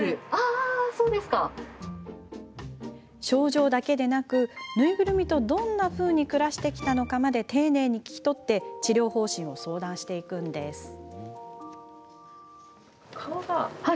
症状だけでなくぬいぐるみと、どんなふうに暮らしてきたのかまで丁寧に聞き取って治療方針を相談していくんです。